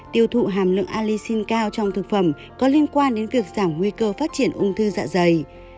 tiêu thụ hàm lượng ali cao trong thực phẩm có liên quan đến việc giảm nguy cơ phát triển ung thư dạ dày